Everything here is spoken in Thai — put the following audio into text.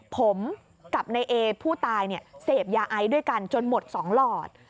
ผมกับในเอผู้ตายเสพยาไอด้วยกันจนหมด๒หลอด